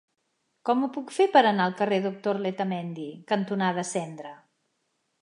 Com ho puc fer per anar al carrer Doctor Letamendi cantonada Cendra?